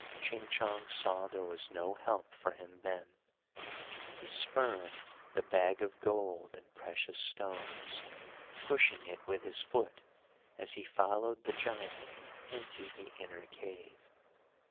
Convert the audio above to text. Ching Chong saw there was no help for him then. He spurned the bag of gold and precious stones, pushing it with his foot, as he followed the giant into the inner cave.